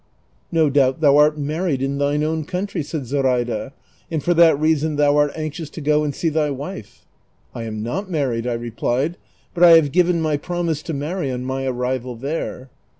" No doubt thou art married in thine own country," said Zoraida, " and for that reason thou art anxious to go and see thy wife." " I am not married," 1 replied, " but I have given my promise to marry on my arrival there."